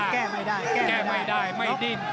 แก้ไม่ได้แก้แก้ไม่ได้ไม่ดิ้น